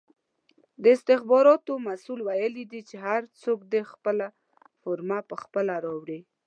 د استخباراتو مسئول ویلې دي چې هر څوک دې خپله فرمه پخپله راوړي!